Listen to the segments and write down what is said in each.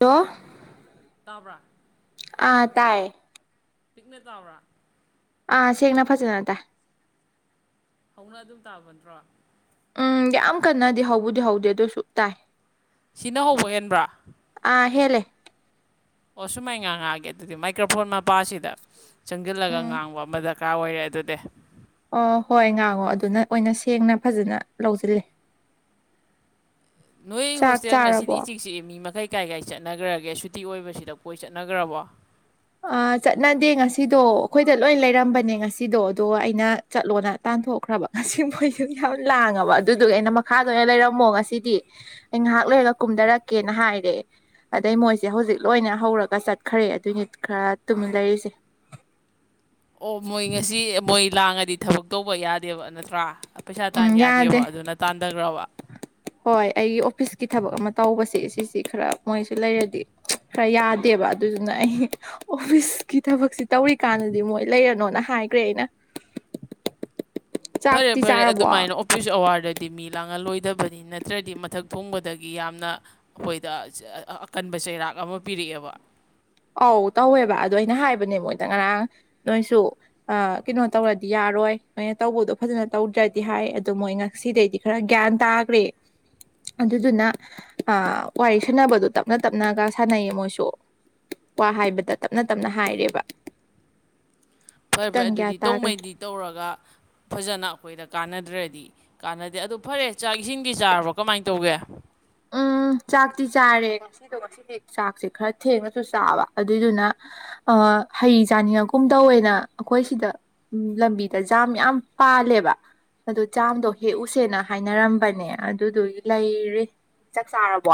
Hello ꯇꯥꯕ꯭ꯔꯥ ꯑꯥ ꯇꯥꯏ ꯄꯤꯛꯅ ꯇꯥꯕ꯭ꯔꯥ ꯑꯥ ꯁꯦꯡꯅ ꯐꯖꯅ ꯇꯥꯏ ꯍꯧꯅ ꯑꯗꯨꯝ ꯇꯥꯕ ꯅꯠꯇ꯭ꯔꯣ ꯎꯝ ꯌꯥꯝ ꯀꯟꯅꯗꯤ ꯍꯧꯕꯗꯤ ꯍꯧꯗꯦ ꯑꯗꯨꯁꯨ ꯇꯥꯏ꯫ ꯁꯤꯅ ꯍꯧꯕ ꯍꯦꯟꯕ꯭ꯔꯥ ꯑꯥ ꯍꯦꯜꯂꯦ ꯑꯣ ꯁꯨꯃꯥꯏꯅ ꯉꯥꯡꯉꯛꯑꯒꯦ ꯑꯗꯨꯗꯤ ꯃꯥꯏꯀ꯭ꯔꯣꯐꯣꯟ ꯃꯄꯥꯁꯤꯗ ꯆꯪꯖꯜꯂꯒ ꯎꯝ ꯉꯥꯡꯕ ꯑꯃꯗ ꯀꯥ ꯑꯣꯏꯔꯦ ꯑꯗꯨꯗꯤ ꯑꯣ ꯍꯣꯏ ꯉꯥꯡꯉꯣ ꯑꯗꯨꯅ ꯑꯣꯏꯅ ꯁꯦꯡꯅ ꯐꯖꯅ ꯂꯧꯖꯤꯜꯂꯦ꯫ ꯅꯣꯏ ꯆꯥꯛ ꯍꯣꯁꯇꯦꯜ ꯉꯁꯤꯗꯤ ꯆꯥꯔꯕꯣ ꯏꯆꯤꯛ ꯆꯤꯛꯏ ꯃꯤ ꯃꯈꯩ ꯀꯥꯏ ꯀꯥꯏ ꯆꯠꯅꯈ꯭ꯔꯒꯦ ꯁꯨꯇꯤ ꯑꯣꯏꯕꯁꯤꯗ ꯀꯣꯏ ꯆꯠꯅꯈ꯭ꯔꯕꯣ ꯆꯠꯅꯗꯦ ꯉꯁꯤꯗꯣ ꯑꯩꯈꯣꯏꯗ ꯂꯣꯏ ꯂꯩꯔꯝꯕꯅꯦ ꯉꯁꯤꯗꯣ ꯑꯗꯣ ꯑꯩꯅ ꯆꯠꯂꯣꯅ ꯇꯥꯟꯊꯣꯛꯈ꯭ꯔꯕ ꯉꯁꯤ ꯈꯣꯏꯁꯨ ꯌꯥꯝ ꯂꯥꯡꯉꯕ ꯑꯗꯨꯗꯨꯒ ꯑꯩꯅ ꯃꯈꯥꯗ ꯂꯩꯔꯝꯃꯣ ꯉꯁꯤꯗꯤ ꯑꯩ ꯉꯥꯏꯍꯥꯛ ꯂꯩꯔꯒ ꯀꯨꯝꯊꯔꯛꯀꯦꯅ ꯍꯥꯏꯔꯦ ꯑꯗꯩ ꯃꯣꯏꯁꯦ ꯍꯧꯖꯤꯛ ꯂꯣꯏꯅ ꯍꯧꯔꯒ ꯆꯠꯈ꯭ꯔꯦ ꯑꯗꯨꯏꯅꯤ ꯈꯔ ꯇꯨꯝꯃꯤꯟ ꯂꯩꯔꯤꯁꯦ ꯑꯣ ꯃꯣꯏ ꯉꯁꯤ ꯃꯣꯏ ꯂꯥꯡꯉꯗꯤ ꯊꯕꯛ ꯇꯧꯕ ꯌꯥꯗꯦꯕ ꯅꯠꯇ꯭ꯔꯥ ꯄꯩꯁꯥ ꯎꯝ ꯇꯥꯟ ꯌꯥꯗꯦ ꯌꯥꯗꯦꯕ ꯑꯗꯨꯅ ꯇꯥꯟꯊꯈ꯭ꯔꯕ ꯍꯣꯏ ꯑꯩꯒꯤ ꯑꯣꯐꯤꯁꯀꯤ ꯊꯕꯛ ꯑꯃ ꯇꯧꯕꯁꯦ ꯁꯤꯁꯤ ꯈꯔ ꯃꯣꯏꯁꯨ ꯂꯩꯔꯗꯤ ꯈꯔ ꯌꯥꯗꯦꯕ ꯑꯗꯨꯗꯨꯅ ꯑꯩ ꯑꯣꯐꯤꯁꯀꯤ ꯊꯕꯛꯁꯤ ꯇꯧꯔꯤꯀꯥꯟꯗꯗꯤ ꯃꯣꯏ ꯂꯩꯔꯅꯣꯅ ꯍꯥꯏꯈ꯭ꯔꯦ ꯑꯩꯅ ꯐꯔꯦ ꯆꯥꯛꯇꯤ ꯐꯔꯦ ꯆꯥꯔꯕꯣ ꯑꯗꯨꯃꯥꯏꯅ ꯑꯣꯐꯤꯁ ꯑꯋꯥꯔꯗꯗꯤ ꯃꯤ ꯂꯥꯡꯍꯜꯂꯣꯏꯗꯕꯅꯤ ꯅꯠꯇ꯭ꯔꯗꯤ ꯃꯊꯛ ꯊꯣꯡꯕꯗꯒꯤ ꯌꯥꯝꯅ ꯑꯩꯈꯣꯏꯗ ꯑꯀꯟꯕ ꯆꯩꯔꯥꯛ ꯑꯃ ꯄꯤꯔꯛꯑꯦꯕ ꯑꯧ ꯇꯧꯋꯦꯕ ꯑꯗꯣ ꯑꯩꯅ ꯍꯥꯏꯕꯅꯦ ꯃꯣꯏꯗ ꯉꯔꯥꯡ ꯅꯣꯏꯁꯨ ꯑ ꯀꯩꯅꯣ ꯇꯧꯔꯗꯤ ꯌꯥꯔꯣꯏ ꯅꯣꯏꯅ ꯇꯧꯕꯗꯣ ꯐꯖꯅ ꯇꯧꯗ꯭ꯔꯗꯤ ꯍꯥꯏ ꯑꯗꯨ ꯃꯣꯏ ꯉꯁꯤꯗꯩꯗꯤ ꯈꯔ ꯒꯌꯥꯟ ꯇꯥꯒ꯭ꯔꯦ ꯑꯗꯨꯗꯨꯅ ꯋꯥꯔꯤ ꯁꯥꯟꯅꯕꯗꯣ ꯇꯞꯅ ꯇꯞꯅꯒ ꯁꯥꯟꯅꯩꯌꯦ ꯃꯣꯏꯁꯨ ꯋꯥ ꯍꯥꯏꯕꯗ ꯇꯞꯅ ꯇꯞꯅ ꯍꯥꯏꯔꯦꯕ ꯐꯔꯦ ꯐꯔꯦ ꯈꯤꯇꯪ ꯒ꯭ꯌꯥꯟ ꯑꯗꯨꯗꯤ ꯇꯥꯈ꯭ꯔꯦ ꯇꯧꯉꯩꯗꯤ ꯇꯧꯔꯒ ꯐꯖꯅ ꯑꯈꯣꯏꯗ ꯀꯅꯗꯔꯥꯗꯤ ꯀꯥꯟꯅꯗꯦ ꯑꯗꯨ ꯐꯔꯦ ꯆꯥꯛ ꯏꯁꯤꯡꯗꯤ ꯆꯔꯕꯣ ꯀꯃꯥꯏ ꯇꯧꯒꯦ ꯎꯝ ꯆꯥꯛꯇꯤ ꯆꯥꯔꯦ ꯉꯁꯤꯗꯣ ꯉꯁꯤꯗꯤ ꯆꯥꯛꯁꯦ ꯈꯔ ꯊꯦꯡꯅꯁꯨ ꯆꯥꯕ ꯑꯗꯨꯏꯗꯨꯅ ꯑꯥ ꯍꯩ ꯆꯥꯅꯤꯡꯉꯛꯀꯨꯝ ꯇꯧꯋꯦꯅ ꯑꯩꯈꯣꯏ ꯁꯤꯗ ꯎꯝ ꯂꯝꯕꯤꯗ ꯖꯥꯝ ꯌꯥꯝ ꯄꯥꯜꯂꯦꯕ ꯑꯗꯨ ꯖꯥꯝꯗꯣ ꯍꯦꯛꯎꯁꯦꯅ ꯍꯥꯏꯅꯔꯝꯕꯅꯦ ꯑꯗꯨꯗꯨꯒꯤ ꯂꯩꯔꯤ ꯆꯥꯛ ꯆꯥꯔꯕꯣ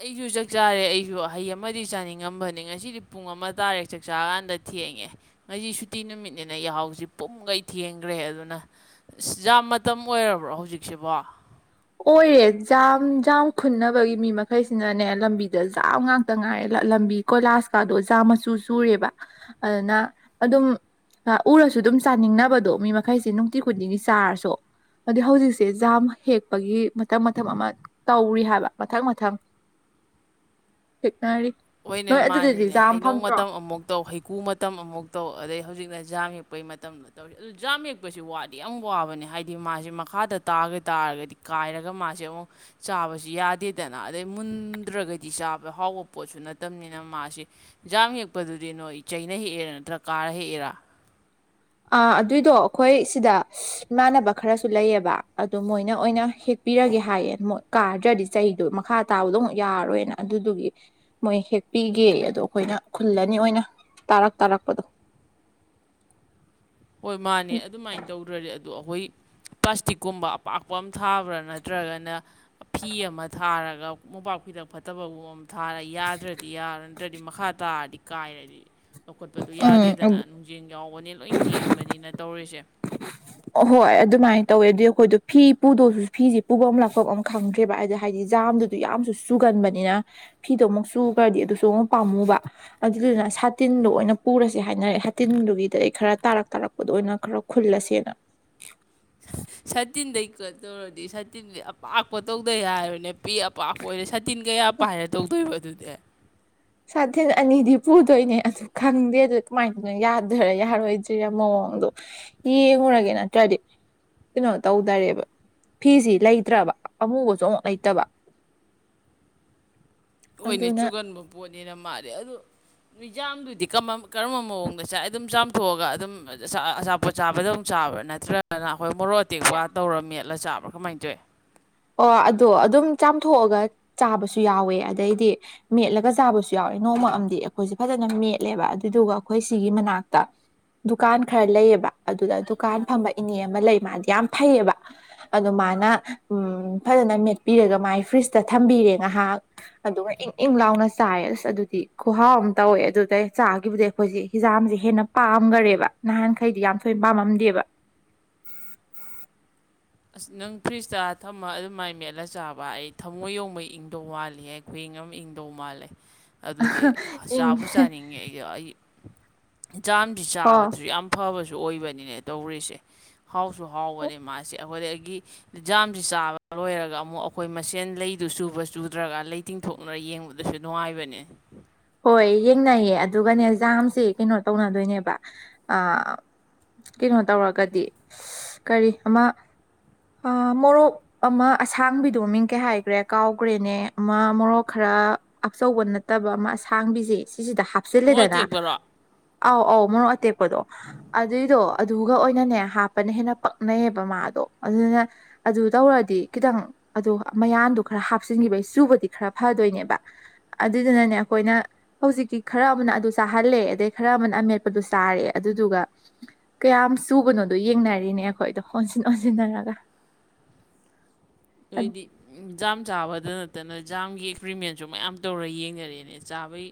ꯑꯩꯁꯨ ꯆꯥꯛ ꯆꯥꯔꯦ ꯑꯩꯁꯨ ꯍꯩ ꯑꯃꯗꯤ ꯆꯥꯅꯤꯡꯉꯝꯕꯅꯤ ꯉꯁꯤꯗꯤ ꯄꯨꯡ ꯑꯃ ꯇꯥꯔꯦ ꯆꯥꯛ ꯆꯥ ꯀꯥꯟꯗ ꯊꯦꯡꯉꯦ ꯉꯁꯤ ꯁꯨꯇꯤ ꯅꯨꯃꯤꯠꯅꯤꯅ ꯌꯥ ꯍꯧꯁꯤ ꯄꯨꯝꯈꯩ ꯊꯦꯡꯈ꯭ꯔꯦ ꯑꯗꯨꯅ ꯖꯥꯝ ꯃꯇꯝ ꯑꯣꯏꯔꯕ꯭ꯔꯣ ꯍꯧꯖꯤꯛꯁꯤꯕꯣ ꯑꯣꯏꯔꯦ ꯖꯥꯝ ꯖꯥꯝ ꯈꯨꯟꯅꯕꯒꯤ ꯃꯤ ꯃꯈꯩꯁꯤꯅꯅꯦ ꯂꯝꯕꯤꯗ ꯖꯥꯝ ꯉꯥꯛꯇ ꯉꯥꯏꯔꯦ ꯂꯝꯕꯤ ꯀꯣꯏꯂꯥꯁ ꯀꯥꯗꯣ ꯖꯥꯝ ꯃꯆꯨ ꯆꯨꯔꯦꯕ ꯑꯗꯨꯅ ꯑꯗꯨꯝ ꯎꯔꯁꯨ ꯑꯗꯨꯝ ꯆꯥꯅꯤꯡꯅꯕꯗꯣ ꯃꯤ ꯃꯈꯩꯁꯤ ꯅꯨꯡꯇꯤ ꯈꯨꯗꯤꯡꯒꯤ ꯆꯥꯔꯁꯨ ꯑꯗꯩ ꯍꯧꯖꯤꯛꯁꯦ ꯖꯥꯝ ꯍꯦꯛ ꯄꯒꯤ ꯃꯊꯪ ꯃꯊꯪ ꯑꯃ ꯇꯧꯔꯤ ꯍꯥꯏꯕ ꯃꯊꯪ ꯃꯊꯪ ꯍꯦꯛꯅꯔꯤ ꯍꯣꯏꯅꯦ ꯅꯣꯏ ꯑꯗꯨꯗꯗꯤ ꯃꯥꯅꯤꯅꯦ ꯖꯥꯝ ꯍꯩꯅꯧ ꯐꯪꯗ꯭ꯔꯣ ꯃꯇꯝ ꯑꯃꯨꯛ ꯇꯧ ꯍꯩꯀꯔꯨ ꯃꯇꯝ ꯑꯃꯨꯛ ꯇꯧ ꯑꯗꯩ ꯍꯧꯖꯤꯛꯅ ꯖꯥꯝ ꯍꯦꯛꯄꯩ ꯃꯇꯝ ꯑꯗꯨ ꯖꯥꯝ ꯍꯦꯛꯄꯁꯤ ꯋꯥꯗꯤ ꯌꯥꯝ ꯋꯥꯕꯅꯦ ꯍꯥꯏꯗꯤ ꯃꯥꯁꯦ ꯃꯈꯥꯗ ꯇꯥꯒ ꯇꯥꯔꯒꯗꯤ ꯀꯥꯏꯔꯒ ꯃꯥꯁꯦ ꯑꯃꯨꯛ ꯆꯥꯕꯁꯨ ꯌꯥꯗꯦꯗꯅ ꯑꯗꯩ ꯃꯨꯟꯗ꯭ꯔꯒꯗꯤ ꯆꯥꯕ ꯍꯥꯎꯕ ꯄꯣꯠꯁꯨ ꯅꯠꯇꯕꯅꯤꯅ ꯃꯥꯁꯤ ꯖꯥꯝ ꯍꯦꯛꯄꯗꯨꯗꯤ ꯅꯣꯏ ꯆꯩꯅ ꯍꯦꯛꯏꯔ ꯅꯠꯇ꯭ꯔꯒ ꯀꯥꯔ ꯍꯦꯛꯏꯔ ꯑ ꯑꯗꯨꯏꯗꯣ ꯑꯩꯈꯣꯏ ꯁꯤꯗ ꯏꯃꯥꯟꯅꯕ ꯈꯔꯁꯨ ꯂꯩꯌꯦꯕ ꯑꯗ ꯃꯣꯏꯅ ꯑꯣꯏꯅ ꯍꯦꯛ ꯄꯤꯔꯒꯦ ꯍꯥꯏꯌꯦ ꯃꯣꯏ ꯀꯥꯗ꯭ꯔꯗꯤ ꯆꯩꯗꯣ ꯃꯈꯥ ꯇꯥꯕꯗꯣ ꯑꯃꯨꯛ ꯌꯥꯔꯣꯏꯅ ꯑꯗꯨꯗꯨꯒꯤ ꯃꯣꯏ ꯍꯦꯛꯄꯤꯒꯦꯌꯦ ꯑꯗꯣ ꯑꯩꯈꯣꯏꯅ ꯈꯨꯜꯂꯅꯤ ꯑꯣꯏꯅ ꯇꯥꯔꯛ ꯇꯥꯔꯛꯄꯗꯣ ꯍꯣꯏ ꯃꯥꯅꯦ ꯑꯗꯨꯃꯥꯏꯅ ꯇꯧꯗ꯭ꯔꯗꯤ ꯑꯗꯨ ꯗꯣ ꯑꯩꯈꯣꯏ ꯄ꯭ꯂꯥꯁꯇꯤꯛꯀꯨꯝꯕ ꯑꯄꯥꯛꯄ ꯑꯃ ꯊꯥꯕ꯭ꯔꯥ ꯅꯠꯇ꯭ꯔꯒꯅ ꯐꯤ ꯑꯃ ꯊꯥꯔꯒ ꯃꯣꯝꯄꯥꯛ ꯐꯤꯗꯛ ꯐꯠꯇꯕꯒꯨꯝ ꯊꯥꯔ ꯌꯥꯗ꯭ꯔꯗꯤ ꯌꯥꯗꯔꯗꯤ ꯅꯠꯇ꯭ꯔꯗꯤ ꯃꯈꯥ ꯇꯥꯔꯗꯤ ꯀꯥꯏꯔꯗꯤ ꯂꯧꯈꯠꯄꯗꯨ ꯌꯥꯗꯦꯗꯅ ꯎꯝ ꯅꯨꯡꯖꯦꯡ ꯌꯥꯎꯕꯅꯤ ꯂꯣꯏ ꯀꯦꯡꯕꯅꯤꯅ ꯇꯧꯔꯤꯁꯦ ꯑꯣ ꯍꯣꯏ ꯑꯗꯨꯃꯥꯏꯅ ꯇꯧꯋꯦ ꯑꯗꯨꯗꯤ ꯑꯩꯈꯣꯏꯗꯣ ꯐꯤ ꯄꯨꯗꯧꯁꯨ ꯐꯤꯁꯦ ꯄꯨꯐꯝ ꯂꯥꯛꯄꯝ ꯑꯃ ꯈꯪꯗ꯭ꯔꯦꯕ ꯍꯥꯏꯗꯤ ꯖꯥꯝꯗꯨ ꯑꯗꯨ ꯌꯥꯝꯁꯨ ꯆꯨꯒꯟꯕꯅꯤꯅ ꯐꯤꯗꯣ ꯑꯃꯨꯛ ꯆꯨꯈ꯭ꯔꯗꯤ ꯑꯗꯨꯁꯨ ꯑꯃꯨꯛ ꯄꯥꯝꯃꯨꯕ ꯑꯗꯨꯗꯨꯅ ꯁꯥꯇꯤꯟꯗꯣ ꯑꯣꯏꯅ ꯄꯨꯔꯁꯦ ꯍꯥꯏꯅꯔꯦ ꯁꯥꯇꯤꯟꯗꯨꯒꯤꯗ ꯑꯩ ꯈꯔ ꯇꯥꯔꯛ ꯇꯥꯔꯛꯄꯗꯣ ꯑꯣꯏꯅ ꯈꯔ ꯈꯨꯜꯂꯁꯤꯅ ꯁꯇꯤꯟꯗꯩꯀ ꯇꯧꯔꯗꯤ ꯁꯇꯤꯟꯗꯤ ꯑꯄꯥꯛꯄ ꯇꯧꯗꯩ ꯌꯥꯔꯣꯏꯅꯦ ꯄꯤ ꯄꯥꯄ ꯑꯣꯏꯔꯦ ꯁꯥꯇꯤꯟ ꯀꯌꯥ ꯄꯥꯏꯔ ꯇꯧꯗꯣꯏꯕ ꯑꯗꯨꯗꯤ ꯁꯥꯊꯤꯟ ꯑꯅꯤꯗꯤ ꯄꯨꯗꯣꯏꯅꯦ ꯑꯗꯨ ꯈꯪꯗꯦ ꯑꯗꯨ ꯀꯃꯥꯏꯅꯅꯣ ꯌꯥꯗꯣꯏꯔ ꯌꯥꯔꯣꯏꯗꯨꯏꯔꯥ ꯃꯑꯣꯡꯗꯣ ꯌꯦꯎꯔꯒꯦ ꯅꯠꯇ꯭ꯔꯗꯤ ꯀꯩꯅꯣ ꯇꯧꯗꯔꯦꯕ ꯐꯤꯁꯤ ꯂꯩꯇ꯭ꯔꯕ ꯑꯃꯨꯕꯁꯨ ꯑꯃꯨꯛ ꯂꯩꯇꯕ ꯍꯣꯏꯅꯦ ꯑꯗꯨꯅ ꯆꯨꯒꯟꯕ ꯄꯣꯠꯅꯤꯅ ꯃꯥꯂꯦ ꯑꯗꯨ ꯅꯨꯖꯥꯝꯗꯨꯗꯤ ꯀꯔꯝꯕ ꯃꯑꯣꯡꯗ ꯆꯥꯏ ꯑꯗꯨꯝ ꯆꯥꯝꯊꯣꯛꯑꯒ ꯑꯗꯨꯝꯆꯥ ꯑꯆꯥꯄꯣꯠ ꯆꯥꯕꯗꯧ ꯆꯥꯕ꯭ꯔꯥ ꯅꯠꯇ꯭ꯔꯒꯅ ꯑꯩꯈꯣꯏ ꯃꯣꯔꯣꯛ ꯑꯇꯦꯛꯄ ꯇꯧꯔ ꯃꯦꯠꯂ ꯆꯥꯕ꯭ꯔꯥ ꯀꯃꯥꯏꯅ ꯇꯧꯏ ꯑꯣ ꯑꯗꯣ ꯑꯗꯨꯝ ꯆꯥꯝꯊꯣꯛꯑꯒ ꯆꯥꯕꯁꯨ ꯌꯥꯎꯋꯦ ꯑꯗꯩꯗꯤ ꯃꯦꯠꯂꯒ ꯆꯥꯕꯁꯨ ꯌꯥꯎꯋꯦ ꯅꯣꯡꯃ ꯑꯝꯗꯤ ꯑꯩꯈꯣꯏꯁꯦ ꯐꯖꯅ ꯃꯦꯠꯂꯦꯕ ꯑꯗꯨꯗꯨꯒ ꯑꯩꯈꯣꯏ ꯁꯤꯒꯤ ꯃꯅꯥꯛꯇ ꯗꯨꯀꯥꯟ ꯈꯔ ꯂꯩꯑꯦꯕ ꯑꯗꯨꯗ ꯗꯨꯀꯥꯟ ꯐꯝꯕ ꯏꯅꯦ ꯑꯃ ꯂꯩ ꯃꯥꯗꯤ ꯌꯥꯝ ꯐꯩꯌꯦꯕ ꯑꯗꯨ ꯃꯥꯅ ꯎꯝ ꯐꯖꯅ ꯃꯦꯠꯄꯤꯔꯒ ꯃꯥꯥꯏ ꯐ꯭ꯔꯤꯖꯇ ꯊꯝꯕꯤꯔꯦ ꯉꯥꯏꯍꯥꯛ ꯑꯗꯨꯒ ꯏꯪ ꯏꯪ ꯂꯥꯎꯅ ꯆꯥꯏꯌꯦ ꯑꯁ ꯑꯗꯨꯗꯤ ꯈꯨꯍꯥꯎ ꯑꯃ ꯇꯧꯋꯦ ꯑꯗꯨꯗꯩ ꯆꯥꯒꯤꯕꯨꯗꯤ ꯑꯩꯈꯣꯏꯁꯦ ꯍꯤꯖꯥꯛꯁꯦ ꯍꯦꯟꯅ ꯄꯥꯝꯈꯔꯦꯕ ꯅꯍꯥꯟꯈꯩꯗꯤ ꯌꯥꯝ ꯊꯣꯏꯅ ꯄꯥꯝꯃꯝꯗꯦꯕ ꯑꯁ ꯅꯪ ꯐ꯭ꯔꯤꯖꯇ ꯊꯝꯃ ꯑꯗꯨꯃꯥꯏꯅ ꯃꯦꯠꯂ ꯆꯥꯕ ꯑꯩ ꯊꯝꯃꯣꯏ ꯌꯣꯡꯕ ꯏꯪꯗꯧ ꯋꯥꯠꯂꯤ ꯍꯥꯏ ꯈꯨꯏꯪ ꯑꯃ ꯏꯪꯗꯧ ꯃꯥꯜꯂꯦ ꯑꯗꯨꯗꯤ ꯏꯪ ꯆꯥꯕꯨ ꯆꯥꯅꯤꯡꯉꯦ ꯑꯩ ꯑꯩ ꯖꯥꯡꯖꯥ ꯍꯣ ꯆꯥꯕꯗꯁꯨ ꯌꯥꯝ ꯐꯕꯁꯨ ꯑꯣꯏꯕꯅꯤꯅꯦ ꯇꯧꯔꯤꯁꯦ ꯍꯥꯎꯁꯨ ꯍꯥꯎꯕꯅꯤ ꯃꯥꯁꯦ ꯑꯩꯈꯣꯏꯗꯒꯤ ꯥꯖꯥꯝꯁꯤ ꯆꯥꯕ ꯂꯣꯏꯔꯒ ꯑꯃꯨꯛ ꯑꯩꯈꯣꯏ ꯃꯁꯦꯟ ꯂꯩꯗꯨ ꯆꯨꯕ ꯆꯨꯗ꯭ꯔꯒ ꯂꯩ- ꯇꯤꯡꯊꯣꯛꯅꯔ ꯌꯦꯡꯕꯗꯁꯨ ꯅꯨꯡꯉꯥꯏꯕꯅꯤ ꯍꯣꯏ ꯌꯦꯡꯅꯩꯌꯦ ꯑꯗꯨꯒꯅꯦ ꯖꯥꯝꯁꯦ ꯀꯩꯅꯣ ꯇꯧꯅꯗꯣꯏꯅꯦꯕ ꯑ ꯀꯩꯅꯣ ꯇꯧꯔꯒꯗꯤ ꯀꯔꯤ ꯑꯃ ꯃꯣꯔꯣꯛ ꯑꯃ ꯑꯁꯥꯡꯕꯤꯗꯣ ꯃꯤꯡ ꯀꯩ ꯍꯥꯏꯈ꯭ꯔꯦ ꯀꯥꯎꯈ꯭ꯔꯦꯅꯦ ꯑꯃ ꯃꯣꯔꯣꯛ ꯈꯔ ꯑꯆꯧꯕ ꯅꯠꯇꯕ ꯑꯃ ꯊꯥꯡꯕꯤꯁꯦ ꯁꯤꯁꯤꯗ ꯃꯣꯔꯣꯛ ꯍꯥꯞꯆꯤꯜꯂꯦꯗꯅ ꯑꯇꯦꯛꯄꯔꯣ ꯑꯧ ꯑꯧ ꯃꯔꯣꯛ ꯑꯇꯦꯛꯞ ꯗꯣ ꯑꯗꯨꯏꯗꯣ ꯑꯗꯨꯒ ꯑꯣꯏꯅꯅꯦ ꯍꯥꯞꯄꯅ ꯍꯦꯟꯅ ꯄꯛꯅꯩꯌꯦꯕ ꯃꯥꯗꯣ ꯑꯗꯨꯗꯨꯅ ꯑꯗꯨ ꯇꯧꯔꯛꯗꯤ ꯈꯤꯇꯪ ꯑꯗꯣ ꯃꯌꯥꯟꯗꯣ ꯈꯔ ꯍꯥꯞꯆꯤꯟꯈꯤꯕ ꯑꯩ ꯆꯨꯕꯗꯤ ꯈꯔ ꯐꯗꯣꯏꯅꯦꯕ ꯑꯗꯨꯗꯨꯅꯅꯦ ꯑꯩꯈꯣꯏꯅ ꯍꯧꯖꯤꯛꯀꯤ ꯈꯔ ꯑꯃꯅ ꯑꯗꯨ ꯆꯥꯍꯜꯂꯦ ꯑꯗꯩ ꯈꯔ ꯑꯃꯅ ꯑꯃꯦꯠꯄꯗꯨ ꯆꯥꯔꯦ ꯑꯗꯨꯗꯨꯒ ꯀꯌꯥꯝ ꯁꯨꯕꯅꯣꯗꯣ ꯌꯦꯡꯅꯔꯤꯅꯦ ꯑꯩꯈꯣꯏꯗꯣ ꯑꯣꯟꯁꯤꯟ ꯑꯣꯟꯁꯤꯟꯅꯔꯒ ꯑꯠ- ꯅꯣꯏꯗꯤ ꯖꯥꯝ ꯆꯥꯕꯗ ꯅꯠꯇꯅ ꯖꯥꯝꯒꯤ ꯑꯦꯛꯄꯤꯔꯤꯃꯦꯟꯁꯨ ꯃꯌꯥꯝ ꯇꯧꯔꯒ ꯌꯦꯡꯅꯔꯛꯑꯦꯅꯦ ꯆꯥꯕꯩ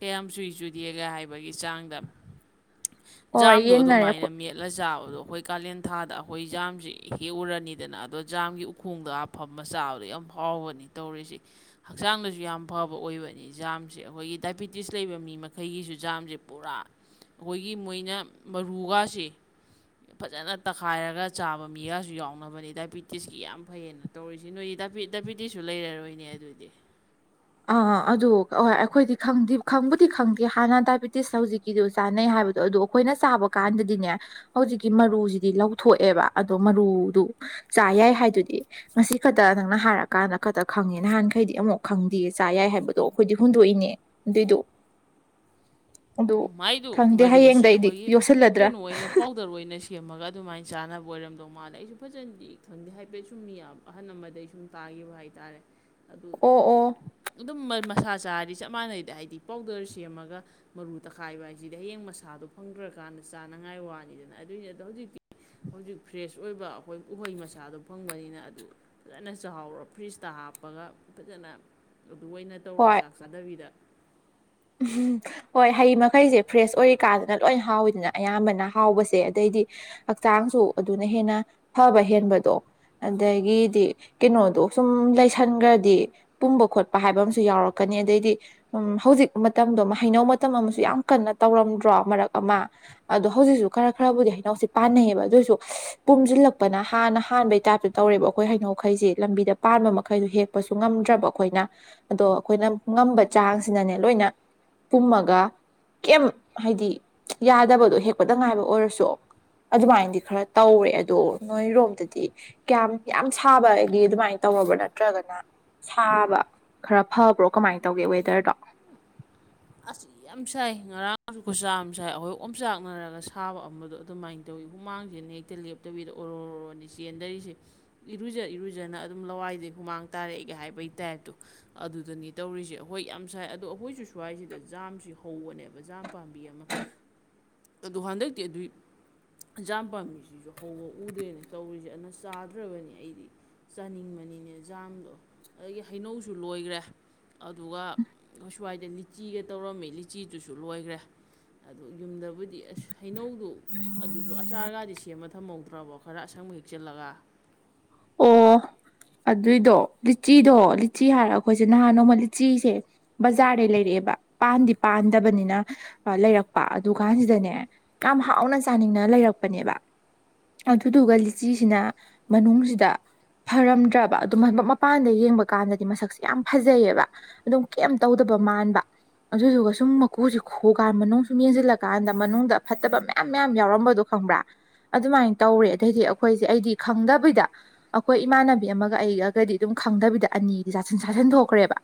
ꯀꯌꯥꯝ ꯆꯨꯏ ꯆꯨꯗꯦꯒ ꯍꯥꯏꯕꯒꯤ ꯆꯥꯡꯗ ꯍꯣꯏ ꯖꯥꯝꯗꯣ ꯌꯦꯡꯅꯔꯦ ꯑꯗꯨꯃꯥꯏꯅ ꯑꯩꯈꯣꯏ ꯃꯦꯠ ꯂ ꯆꯥꯕꯗꯣ ꯑꯩꯈꯣꯏ ꯀꯥꯂꯦꯟ ꯊꯥꯗ ꯑꯩꯈꯣꯏ ꯖꯥꯝꯁꯦ ꯍꯦꯛ ꯎꯔꯅꯤꯗꯅ ꯑꯗꯣ ꯖꯥꯝꯒꯤ ꯈꯣꯡꯗ ꯍꯥꯞꯐꯝꯃ ꯆꯥꯕꯗꯣ ꯌꯥꯝ ꯍꯥꯎꯕꯅꯤ ꯇꯧꯔꯤꯁꯤ ꯍꯛꯆꯥꯡꯗꯁꯨ ꯌꯥꯝ ꯐꯕ ꯑꯣꯏꯕꯅꯤ ꯖꯥꯝꯁꯦ ꯑꯩꯈꯣꯏꯒꯤ ꯗꯥꯏꯕꯤꯇꯤꯁ ꯂꯩꯕ ꯃꯤ ꯃꯈꯩꯒꯤꯁꯨ ꯖꯥꯝꯁꯦ ꯄꯨꯔꯥ ꯑꯩꯈꯣꯏꯒꯤ ꯃꯣꯏꯅ ꯃꯔꯨꯒꯥꯁꯦ ꯐꯖꯅ ꯇꯛꯈꯥꯏꯔꯒ ꯆꯥꯕ ꯃꯤꯒꯁꯨ ꯌꯥꯎꯅꯕꯅꯤ ꯗꯥꯏꯕꯤꯇꯤꯁꯀꯤ ꯌꯥꯝ ꯐꯩꯌꯦꯅ ꯇꯧꯔꯤꯁꯤ ꯅꯣꯏꯒꯤ ꯗꯥꯏꯄꯤ ꯗꯥꯏꯄꯤꯗꯤꯁꯨ ꯂꯩꯔꯔꯣꯏꯅꯦ ꯑꯗꯨꯗꯤ ꯑꯥ ꯑꯗꯨ ꯍꯣꯏ ꯑꯩꯈꯣꯏꯗꯤ ꯈꯪꯕꯨꯗꯤ ꯈꯪꯗꯦ ꯍꯥꯟꯅ ꯗꯥꯏꯕꯤꯇꯤꯁ ꯍꯧꯖꯤꯛ ꯀꯤꯗꯣ ꯆꯥꯅꯩ ꯍꯥꯏꯕꯗꯣ ꯑꯗꯨꯗꯣ ꯑꯩꯈꯣꯏꯅ ꯆꯥꯕ ꯀꯥꯟꯗꯗꯤꯅꯦ ꯍꯧꯖꯤꯛꯀꯤ ꯃꯔꯨꯁꯤꯗꯤ ꯂꯧꯊꯣꯛꯑꯦꯕ ꯑꯗꯣ ꯃꯔꯨꯗꯨ ꯆꯥ ꯌꯥꯏ ꯍꯥꯏꯗꯨꯗꯤ ꯉꯁꯤ ꯈꯛꯇ ꯅꯪꯅ ꯍꯥꯏꯔꯀꯥꯟꯗ ꯈꯛꯇ ꯈꯪꯉꯦ ꯅꯍꯥꯟꯈꯩꯗꯤ ꯑꯃꯨꯛ ꯈꯪ ꯗꯤ ꯆꯥ ꯌꯥꯏ ꯍꯥꯏꯕꯗꯣ ꯑꯩꯈꯣꯏꯗꯤ ꯍꯨꯟꯗꯣꯛꯏꯅꯦ ꯑꯗꯨꯏꯗꯣ ꯑꯗꯨ ꯃꯥꯏꯗꯨ ꯈꯪꯗꯦ ꯃꯕꯨꯁꯤ ꯍꯌꯦꯡꯗꯩꯗꯤ ꯑꯩꯈꯣꯏꯒꯤ ꯌꯣꯠꯁꯤꯜꯂꯗ꯭ꯔꯥ ꯀꯩꯅꯣ ꯑꯣꯏꯅ ꯄꯥꯎ ꯄꯥꯎꯇꯔ ꯑꯣꯏꯅ ꯁꯦꯝꯃꯒ ꯑꯗꯨꯃꯥꯏꯅ ꯆꯥꯅꯕ ꯑꯣꯏꯔꯝꯗꯧ ꯃꯥꯂꯦ ꯑꯩꯁꯨ ꯐꯖꯅꯗꯤ ꯈꯪꯗꯦ ꯍꯥꯏꯐꯦꯠ ꯁꯨꯝꯃꯤꯌꯥꯝ ꯑꯍꯜ ꯑꯃꯗꯩ ꯁꯨꯝ ꯇꯥꯈꯤꯕ ꯍꯥꯏꯇꯥꯔꯦ ꯑꯗꯨ ꯑꯣ ꯑꯣ ꯑꯗꯨꯝ ꯃꯁꯥ ꯆꯥꯔꯤ ꯆꯞ ꯃꯥꯟꯅꯩꯗ ꯍꯥꯏꯗꯤ ꯄꯥꯎꯗꯔ ꯁꯦꯝꯃꯒ ꯃꯔꯨ ꯇꯛꯈꯥꯏꯕ ꯍꯥꯏꯁꯤꯗꯤ ꯍꯌꯦꯡ ꯃꯁꯥꯗꯣ ꯐꯪꯗ꯭ꯔꯀꯥꯟꯗ ꯆꯥꯅꯉꯥꯏ ꯋꯥꯅꯤꯗꯅ ꯑꯗꯨꯏꯅꯤ ꯑꯗꯣ ꯍꯧꯖꯤꯛꯇꯤ ꯍꯧꯖꯤꯛ ꯐ꯭ꯔꯦꯁ ꯑꯣꯏꯕ ꯑꯩꯈꯣꯏ ꯎꯍꯩ ꯃꯆꯥꯗꯨꯣ ꯐꯪꯕꯅꯤꯅ ꯑꯗꯨ ꯐꯖꯅ ꯆꯍꯥꯎꯔꯣ ꯐ꯭ꯔꯤꯖꯇ ꯍꯥꯞꯄꯒ ꯐꯖꯅ ꯑꯗꯨ ꯑꯣꯏꯅ ꯇꯧꯔꯣ ꯍꯣꯏ ꯆꯥꯛ ꯆꯥꯗꯕꯤꯗ ꯎꯝ ꯍꯣꯏ ꯍꯩ ꯃꯈꯩꯁꯦ ꯐ꯭ꯔꯦꯁ ꯑꯣꯏꯔꯤꯀꯥꯗꯅ ꯂꯣꯏ ꯍꯥꯎꯋꯤꯗꯅ ꯑꯌꯥꯝꯕꯅ ꯍꯥꯎꯕꯁꯦ ꯑꯗꯩꯗꯤ ꯍꯛꯆꯥꯡꯁꯨ ꯑꯗꯨꯅ ꯍꯦꯟꯅ ꯐꯕ ꯍꯦꯟꯕꯗꯣ ꯑꯗꯒꯤꯗꯤ ꯀꯩꯅꯣꯗꯣ ꯁꯨꯝ ꯂꯩꯁꯟꯒ꯭ꯔꯥꯗꯤ ꯄꯨꯝꯕ ꯈꯣꯠꯄ ꯍꯥꯏꯕ ꯑꯃꯁꯨ ꯌꯥꯎꯔꯛꯀꯅꯤ ꯑꯗꯩꯗꯤ ꯎꯃ ꯍꯧꯖꯤꯛ ꯃꯇꯝꯗꯣ ꯍꯩꯅꯧ ꯃꯇꯝ ꯑꯃꯁꯨ ꯌꯥꯝ ꯀꯟꯅ ꯇꯧꯔꯝꯗ꯭ꯔꯣ ꯃꯔꯛ ꯑꯃ ꯑꯗꯣ ꯍꯧꯖꯤꯛꯁꯨ ꯈꯔ ꯈꯔꯕꯨꯗꯤ ꯍꯩꯩꯅꯧꯁꯦ ꯄꯥꯟꯅꯩꯌꯦꯕ ꯑꯗꯨ ꯑꯣꯏꯁꯨ ꯄꯨꯝꯖꯤꯜꯂꯛꯄꯅ ꯍꯥꯟꯅ ꯍꯥꯟꯕꯩ ꯇꯥꯏꯞꯇ ꯇꯧꯔꯦꯕ ꯑꯩꯈꯣꯏ ꯍꯩꯅꯧꯈꯩꯁꯦ ꯂꯝꯕꯤꯗ ꯄꯥꯟꯕ ꯃꯈꯩꯗꯣ ꯍꯦꯛ ꯄꯥꯥꯁꯨ ꯉꯝꯗ꯭ꯔꯕ ꯑꯩꯈꯣꯏꯅ ꯑꯗꯣ ꯑꯩꯈꯣꯏꯅ ꯉꯝꯕ ꯆꯥꯡꯁꯤꯅꯅꯦ ꯂꯣꯏꯅ ꯄꯨꯝꯃꯒ ꯀꯦꯝ ꯍꯥꯏꯗꯤ ꯌꯥꯗꯕꯗꯣ ꯍꯦꯛꯄꯗ ꯉꯥꯏꯕ ꯑꯣꯏꯔꯁꯨ ꯑꯗꯨꯃꯥꯏꯅꯗꯤ ꯈꯔꯥ ꯇꯧꯑꯦ ꯑꯗꯣ ꯅꯣꯏꯔꯣꯝꯗꯗꯤ ꯀꯌꯥꯝ ꯌꯥꯝ ꯁꯥꯕꯒꯤ ꯑꯗꯨꯃꯥꯏꯅ ꯇꯧꯔꯕ ꯅꯠꯇ꯭ꯔꯒꯅ ꯁꯥꯕ ꯈ꯭ꯔꯥ ꯐꯕ꯭ꯔꯣ ꯀꯃꯥꯏ ꯇꯧꯒꯦ ꯋꯦꯗꯔꯗꯣ ꯑꯁꯤ ꯌꯥꯝ ꯁꯥꯏ ꯉꯔꯥꯡꯁꯨ ꯈꯨꯁꯥ ꯑꯃ ꯁꯥꯏ ꯑꯩꯈꯣꯏ ꯑꯣꯝꯆꯥꯛꯅꯔꯒ ꯁꯥꯕ ꯑꯃꯗꯣ ꯑꯗꯨꯃꯥꯏꯅ ꯇꯧꯋꯤ ꯍꯨꯃꯥꯡꯁꯤꯅ ꯍꯛ ꯇꯤꯜ ꯂꯦꯞꯇꯕꯤꯗ ꯑꯣꯔꯣꯔꯣꯔꯣꯅꯦ ꯆꯦꯟꯗꯔꯤꯁꯦ ꯏꯔꯨꯖ ꯏꯔꯨꯖꯅ ꯑꯗꯨꯝ ꯂꯋꯥꯏꯗꯩꯩ ꯍꯨꯃꯥꯡ ꯇꯥꯔꯛꯏ ꯀꯩ ꯍꯥꯏꯕꯒꯤ ꯇꯥꯏꯞꯇꯣ ꯑꯗꯨꯗꯅꯤ ꯇꯧꯔꯤꯁꯦ ꯍꯣꯏ ꯌꯥꯝ ꯁꯥꯏ ꯑꯗꯣ ꯑꯩꯈꯣꯏꯁꯨ ꯁ꯭ꯋꯥꯏꯁꯤꯗ ꯖꯥꯝꯁꯤ ꯍꯧꯕꯅꯦꯕ ꯖꯥꯝ ꯄꯥꯝꯕꯤ ꯑꯃ ꯑꯗꯣ ꯍꯟꯗꯛꯇꯤ ꯑꯗꯨꯏ ꯖꯥꯝ ꯄꯥꯝꯕꯤꯁꯤꯁꯨ ꯍꯧꯕ ꯎꯗ꯭ꯔꯦꯅꯦ ꯇꯧꯔꯤꯁꯦ ꯑꯗꯨꯅ ꯆꯥꯗ꯭ꯔꯕꯅꯤ ꯑꯩꯗꯤ ꯆꯥꯅꯤꯡꯕꯅꯤꯅꯦ ꯖꯥꯝꯗꯣ ꯑꯗꯒꯤ ꯍꯩꯅꯧꯁꯨ ꯂꯣꯏꯒ꯭ꯔꯦ ꯑꯗꯨꯒ ꯈꯣꯏ ꯁ꯭ꯋꯥꯏꯗ ꯂꯤꯆꯤꯒ ꯇꯧꯔꯝꯃꯤ ꯂꯤꯆꯤꯗꯨꯨꯁꯨ ꯂꯣꯏꯒ꯭ꯔꯦ ꯑꯗꯣ ꯌꯨꯝꯗꯕꯨꯗꯤ ꯑꯁ ꯍꯩꯅꯧꯗꯣ [unintelligible] ꯑꯗꯨꯁꯨ ꯑꯆꯥꯔꯒꯗꯤ ꯁꯦꯝꯃ ꯊꯝꯍꯧꯗ꯭ꯔꯕꯣ ꯈꯔ ꯑꯁꯪꯕ ꯍꯦꯛꯆꯤꯜꯂꯒ ꯑꯣ ꯑꯗꯨꯏꯗꯣ ꯂꯤꯆꯤꯗꯣ ꯂꯤꯆꯤ ꯍꯥꯏꯔ ꯑꯩꯈꯣꯏꯁꯦ ꯅꯍꯥꯟ ꯅꯣꯡꯃ ꯂꯤꯆꯤꯁꯦ ꯕꯖꯥꯔꯗꯩ ꯂꯩꯔꯛꯑꯦꯕ ꯄꯥꯟꯗꯤ ꯄꯥꯟꯗꯕꯅꯤꯅ ꯂꯩꯔꯛꯄ ꯑꯗꯨ ꯀꯥꯟꯁꯤꯗꯅꯦ ꯌꯥꯝ ꯍꯥꯎꯅ ꯆꯥꯅꯤꯡꯅ ꯂꯩꯔꯛꯄꯅꯦꯕ ꯑꯗꯨꯗꯨꯒ ꯂꯤꯆꯤꯁꯤꯅ ꯃꯅꯨꯡꯁꯤ__ ꯗ ꯐꯔꯝꯗ꯭ꯔꯥꯕ ꯑꯗꯨꯃꯥꯏ ꯃꯥ ꯃꯄꯥꯟꯗ ꯌꯦꯡꯕ ꯀꯥꯟꯗꯗꯤ ꯃꯁꯛꯁꯦ ꯌꯥꯝ ꯐꯖꯩꯌꯦꯕ ꯑꯗꯨꯝ ꯀꯩꯝ ꯇꯧꯗꯕ ꯃꯥꯟꯕ ꯑꯗꯨꯗꯨꯒ ꯁꯨꯝ ꯃꯀꯨꯖꯦ ꯈꯣ ꯀꯥꯟ ꯃꯅꯨꯡ ꯁꯨꯝ ꯌꯦꯡꯖꯜꯂꯀꯥꯟꯗ ꯃꯅꯨꯡꯗ ꯐꯠꯇꯕ ꯃꯌꯥꯝ ꯃꯌꯥꯝ ꯌꯥꯎꯔꯝꯕꯗꯣ ꯈꯪꯕ꯭ꯔꯥ ꯑꯗꯨꯃꯥꯏꯅ ꯇꯧꯔꯦ ꯑꯗꯩꯗꯤ ꯑꯩꯈꯣꯏꯁꯦ ꯑꯩꯗꯤ ꯈꯪꯗꯕꯤꯗ ꯑꯩꯈꯣꯏ ꯏꯃꯥꯟꯅꯕꯤ ꯑꯃꯒ ꯑꯩꯒꯒꯗꯤ ꯑꯗꯨꯝ ꯈꯪꯗꯕꯤꯗ ꯑꯅꯤꯗꯤ ꯆꯥꯁꯤꯟ ꯆꯥꯁꯤꯟ ꯊꯣꯛꯈ꯭ꯔꯦꯕ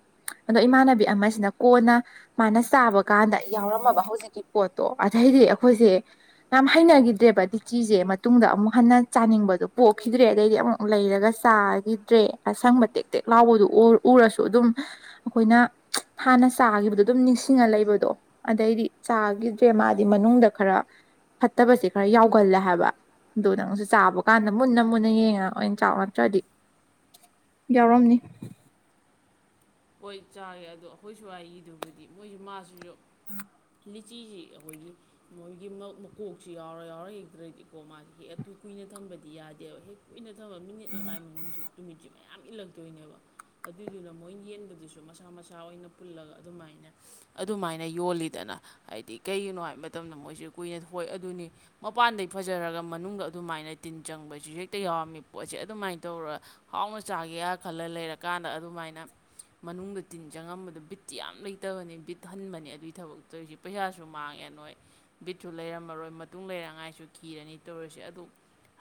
ꯑꯗꯣ ꯏꯃꯥꯟꯅꯕꯤ ꯑꯃꯁꯤꯅ ꯀꯣꯟꯅ ꯃꯥꯅ ꯆꯥꯕ ꯀꯥꯟꯗ ꯌꯥꯎꯔꯝꯃꯕ ꯍꯧꯖꯤꯛꯀꯤ__ ꯄꯣꯠꯇꯣ ꯑꯗꯩꯗꯤ ꯑꯩꯈꯣꯏꯁꯦ ꯌꯥꯝ ꯍꯩꯅꯒꯤꯗ꯭ꯔꯦꯕ ꯇꯤꯆꯤꯁꯦ ꯃꯇꯨꯡꯗ ꯑꯃꯨꯛ ꯍꯟꯅ ꯆꯥꯅꯤꯡꯕꯗꯣ ꯄꯣꯛꯈꯤꯗ꯭ꯔꯦ ꯑꯗꯩꯗꯤ ꯑꯃꯨꯛ ꯂꯩꯔꯒ ꯆꯥꯒꯤꯗ꯭ꯔꯦ ꯑꯁꯪꯕ ꯇꯦꯛ ꯇꯦꯛ ꯂꯥꯎꯕꯗꯨ ꯎ ꯎꯔꯁꯨ ꯑꯗꯨꯝ ꯑꯩꯈꯣꯏꯅ ꯍꯥꯟꯅ ꯆꯥꯒꯤꯕꯗꯣ ꯑꯗꯨꯝ ꯅꯤꯡꯁꯤꯡꯉ ꯂꯩꯕꯗꯣ ꯑꯗꯩꯗꯤ ꯆꯥꯒꯤꯗ꯭ꯔꯦ ꯃꯥꯗꯤ ꯃꯅꯨꯡꯗ ꯈꯔꯥ ꯐꯠꯇꯕꯁꯦ ꯈꯔ ꯌꯥꯎꯒꯜꯂꯦ ꯍꯥꯏꯕ ꯑꯗꯨꯅ ꯅꯪꯁꯨ ꯆꯥꯕ ꯀꯥꯟꯗ ꯃꯨꯟꯅ ꯃꯨꯟꯅ ꯌꯦꯡꯉꯥ ꯑꯣꯏꯅ__ ꯆꯧ ꯅꯠꯇ꯭ꯔꯥꯗꯤ ꯌꯥꯎꯔꯝꯅꯤ ꯍꯣꯏ ꯆꯥꯒꯦ ꯑꯗꯣ ꯑꯩꯈꯣꯏ ꯁꯋ꯭ꯥꯏꯒꯤꯗꯨꯕꯨꯗꯤ ꯃꯣꯏꯖꯨ ꯃꯥꯁꯨ [unintelligible] ꯂꯤꯆꯤꯖꯤ ꯑꯩꯈꯣꯏꯒꯤ ꯃꯣꯏꯒꯤ ꯃꯧ ꯃꯀꯣꯛꯁꯤ ꯌꯥꯎꯔ ꯌꯥꯎꯔ ꯍꯦꯛꯇ꯭ꯔꯥꯗꯤꯀꯣ ꯃꯥꯗꯤ ꯍꯦꯛ ꯑꯗꯨꯨ ꯀꯨꯏꯅ ꯊꯝꯕꯗꯤ ꯌꯥꯗꯦꯕ ꯍꯦꯛ ꯀꯨꯏꯅ ꯊꯕ ꯃꯤꯅꯤꯠ ꯃꯉꯥꯏ ꯃꯅꯨꯡꯁꯤ ꯇꯨꯃꯤꯠꯁꯤ ꯃꯌꯥꯝ ꯏꯜꯂꯛꯇꯣꯏꯅꯦꯕ ꯑꯗꯨꯏꯗꯨꯅ ꯃꯣꯏ ꯌꯦꯟ ꯑꯗꯨꯗꯨꯁꯨ ꯃꯁꯥ ꯃꯁꯥ ꯑꯣꯏꯅ ꯄꯨꯜꯂꯒ ꯑꯗꯨꯃꯥꯏꯅ ꯑꯗꯨꯃꯥꯏꯅ ꯌꯣꯜꯂꯤꯗꯅ ꯍꯥꯏꯗꯤ ꯀꯩꯒꯤꯅꯣ ꯍꯥꯏꯕ ꯃꯇꯝꯗ ꯃꯣꯏꯁꯨ ꯀꯨꯏꯅ ꯍꯣꯏ ꯑꯗꯨꯅꯤ ꯃꯄꯥꯟꯗꯩ ꯐꯖꯔꯒ ꯃꯅꯨꯡꯗ ꯑꯗꯨꯃꯥꯏꯅ ꯇꯤꯟ ꯆꯪꯕꯁꯤ ꯍꯦꯛꯇ ꯌꯥꯎꯔꯝꯃꯤ ꯄꯣꯠꯁꯦ ꯑꯗꯨꯃꯥꯏ ꯇꯧꯔ ꯍꯥꯎꯅ ꯆꯥꯒꯦꯌꯥ ꯈꯜꯂ ꯂꯩꯔꯀꯥꯟꯗ ꯑꯗꯨꯃꯥꯏꯅ ꯃꯅꯨꯡꯗ ꯇꯤꯟ ꯆꯪꯉꯝꯕꯗꯨ ꯕꯤꯠꯇꯤ ꯌꯥꯝ ꯂꯩꯇꯕꯅꯤ ꯕꯤꯠ ꯍꯟꯕꯅꯦ ꯑꯗꯨꯏ ꯊꯕꯛꯇꯣꯏꯁꯤ ꯄꯩꯁꯥꯁꯨ ꯃꯥꯡꯉꯦ ꯅꯣꯏ ꯕꯤꯠꯁꯨꯨ ꯂꯩꯔꯝꯃꯔꯣꯏ ꯃꯇꯨꯡ ꯂꯩꯔꯉꯥꯏꯁꯨ ꯀꯤꯔꯅꯤ ꯇꯧꯔꯁꯦ ꯑꯗꯨ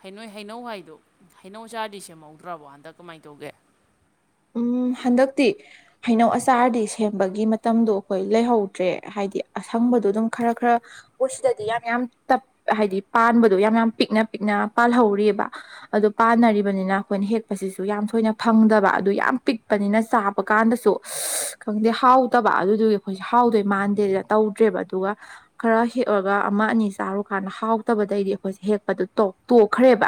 ꯍꯩꯅꯧ ꯅꯣꯏ ꯍꯩꯅꯧ ꯍꯥꯏꯗꯣ ꯍꯩꯅꯧ ꯆꯥꯔꯗꯤ ꯁꯦꯝꯍꯧꯗ꯭ꯔꯕꯣ ꯍꯟꯗꯛ ꯀꯃꯥꯏ ꯇꯧꯒꯦ ꯎꯝ ꯍꯟꯗꯛꯇꯤ ꯍꯩꯅꯧ ꯑꯆꯥꯔꯗꯤ ꯁꯦꯝꯕꯒꯤ ꯃꯇꯝꯗꯣ ꯑꯩꯈꯣꯏ ꯂꯩꯍꯧꯗ꯭ꯔꯦ ꯍꯥꯏꯗꯤ ꯑꯁꯪꯕꯗꯣ ꯑꯗꯨꯝ ꯈꯔ ꯈꯔ ꯈꯣꯏ ꯁꯤꯗꯗꯤ ꯌꯥꯝ ꯌꯥꯝ ꯇꯞ ꯍꯥꯏꯗꯤ ꯄꯥꯟꯕꯗꯣ ꯌꯥꯝ ꯌꯥꯝ ꯄꯤꯛꯅ ꯄꯤꯛꯅ ꯄꯥꯜꯍꯧꯔꯤꯕ ꯑꯗꯨ ꯄꯥꯟꯅꯔꯤꯕꯅꯤꯅ ꯑꯩꯈꯣꯏꯅ ꯍꯦꯛꯄꯁꯤꯁꯨ ꯌꯥꯝ ꯊꯣꯏꯅ ꯐꯪꯗꯕꯥ ꯑꯗꯨ ꯌꯥꯝ ꯄꯤꯛꯄꯅꯤꯅ ꯆꯥꯕ ꯀꯥꯟꯗꯁꯨ ꯁ ꯈꯪꯗꯦ ꯍꯥꯎꯇꯕꯥ ꯑꯗꯨꯗꯨꯒꯤ ꯑꯩꯈꯣꯏꯁꯦ ꯍꯥꯎꯗꯣꯏ ꯃꯥꯟꯗꯦꯅ ꯇꯧꯗ꯭ꯔꯦꯕ ꯑꯗꯨꯒ ꯈꯔ ꯍꯦꯛꯑꯒ ꯑꯃ ꯑꯅꯤ ꯆꯥꯔꯨꯀꯥꯟꯗ ꯍꯥꯎꯇꯕꯗꯩꯗꯤ ꯑꯩꯈꯣꯏꯁꯦ ꯍꯦꯛꯄꯗꯨ ꯇꯣꯛ ꯇꯣꯛꯈ꯭ꯔꯦꯕ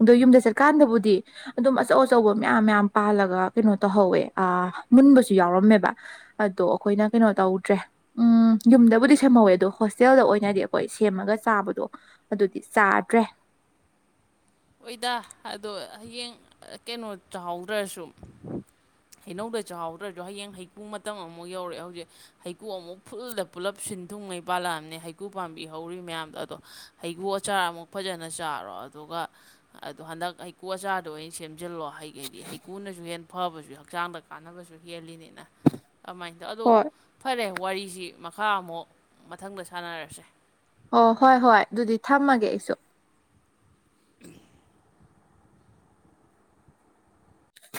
ꯑꯗꯣ ꯌꯨꯝꯗ ꯆꯠꯀꯥꯟꯗꯕꯨꯗꯤ ꯑꯗꯨꯝ ꯑꯆꯧ ꯑꯆꯧꯕ ꯃꯌꯥꯝ ꯃꯌꯥꯝ ꯄꯥꯜꯂ ꯒ ꯀꯩꯅꯣ ꯇꯧꯍꯧꯋꯦ ꯑꯥ ꯃꯨꯟꯕꯁꯨ ꯌꯥꯎꯔꯝꯃꯦꯕ ꯑꯗꯣ ꯑꯩꯈꯣꯏꯅ ꯀꯩꯅꯣ ꯇꯧꯗ꯭ꯔꯦ ꯎꯝ ꯌꯨꯝꯗꯕꯨꯗꯤ ꯁꯦꯝꯍꯧꯋꯦ ꯑꯗꯣ ꯍꯣꯁꯇꯦꯜꯗ ꯑꯣꯏꯅꯗꯤ ꯑꯩꯈꯣꯏ ꯁꯦꯝꯃꯒ ꯆꯥꯕꯗꯣ ꯑꯗꯨꯗꯤ ꯆꯥꯗ꯭ꯔꯦ ꯍꯣꯏꯗꯥ ꯑꯗꯣ ꯍꯌꯦꯡ ꯀꯩꯅꯣ ꯆꯥꯍꯧꯗ꯭ꯔꯁꯨ ꯍꯩꯅꯧꯗ ꯆꯥꯎꯍꯧꯗ꯭ꯔꯖꯨ ꯍꯌꯦꯡ ꯍꯩꯀꯨ ꯃꯇꯝ ꯑꯃꯨꯛ ꯌꯧꯔꯛꯑꯦ ꯍꯧꯖꯤꯛ ꯍꯩꯀꯨ ꯑꯃꯨꯛ ꯐꯨꯜꯗ ꯄꯨꯜꯂꯞ ꯁꯤꯟ ꯊꯨꯡꯉꯩ ꯄꯥꯜꯂꯛꯑꯝꯅꯦ ꯍꯩꯀꯨ ꯄꯥꯝꯕꯤ ꯍꯧꯔꯤ ꯃꯌꯥꯝꯗꯣ ꯑꯗꯣ ꯍꯩꯒꯨ ꯑꯆꯥꯔ ꯑꯃꯨꯛ ꯐꯖꯅ ꯆꯥꯔꯣ ꯑꯗꯨꯒ ꯑꯗꯣ ꯍꯟꯗꯛ ꯍꯩꯀꯨ ꯑꯆꯥꯔꯗꯣ ꯑꯣꯏ ꯁꯦꯝꯖꯤꯜꯂꯣ ꯍꯩꯒꯩꯗꯤ ꯍꯩꯀꯨꯅꯁꯨ ꯍꯦꯟ ꯐꯕꯁꯨ ꯍꯛꯆꯥꯡꯗ ꯀꯥꯟꯅꯕꯁꯨ ꯍꯦꯜꯂꯤꯅꯤꯅ ꯀꯃꯥꯏ ꯗ ꯑꯗꯣ ꯍꯣꯏ ꯐꯔꯦ ꯋꯥꯔꯤꯁꯤ ꯃꯈꯥ ꯑꯃꯨꯛ ꯃꯊꯪꯗ ꯁꯥꯟꯅꯔꯁꯦ ꯑꯣ ꯍꯣꯏ ꯍꯣꯏ ꯑꯗꯨꯗꯤ ꯊꯝꯃꯒꯦ ꯑꯩꯁꯨ